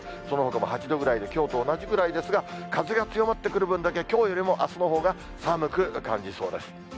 そのほかも８度ぐらいで、きょうと同じぐらいですが、風が強まってくる分だけ、きょうよりもあすのほうが寒く感じそうです。